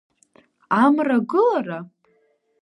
Амра агылара?